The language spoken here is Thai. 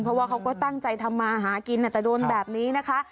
เพราะว่าเขาก็ตั้งใจทำมาหากินแต่โดนแบบนี้นะคะ